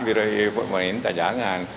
birohik pemerintah jangan